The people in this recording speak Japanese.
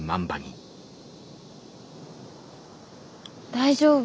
大丈夫？